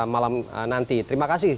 malam nanti terima kasih